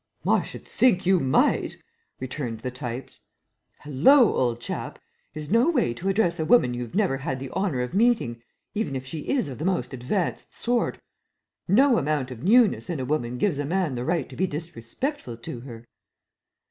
"I should think you might," returned the types. "Hullo, old chap! is no way to address a woman you've never had the honor of meeting, even if she is of the most advanced sort. No amount of newness in a woman gives a man the right to be disrespectful to her."